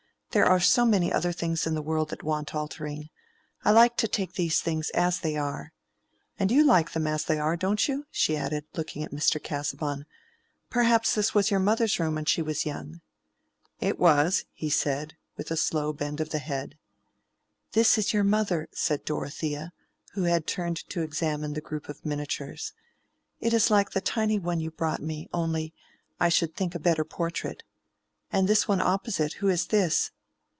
There are so many other things in the world that want altering—I like to take these things as they are. And you like them as they are, don't you?" she added, looking at Mr. Casaubon. "Perhaps this was your mother's room when she was young." "It was," he said, with his slow bend of the head. "This is your mother," said Dorothea, who had turned to examine the group of miniatures. "It is like the tiny one you brought me; only, I should think, a better portrait. And this one opposite, who is this?"